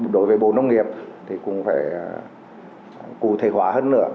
đối với bộ nông nghiệp thì cũng phải cụ thể hóa hơn nữa